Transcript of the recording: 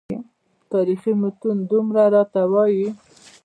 تاریخي متون دومره راته وایي.